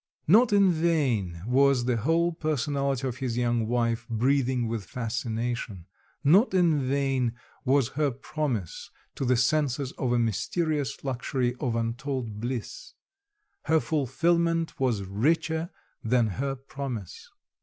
Not in vain was the whole personality of his young wife breathing with fascination; not in vain was her promise to the senses of a mysterious luxury of untold bliss; her fulfillment was richer than her promise.